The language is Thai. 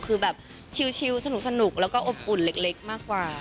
คือแบบชิลสนุกแล้วก็อบอุ่นเล็กมากกว่า